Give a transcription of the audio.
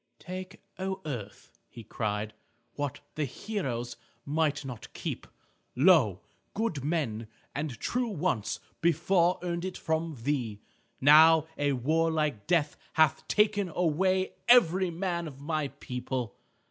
"Take, O earth," he cried, "what the heroes might not keep. Lo! good men and true once before earned it from thee. Now a warlike death hath taken away every man of my people.